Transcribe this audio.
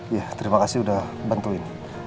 ya terima kasih sudah bantuin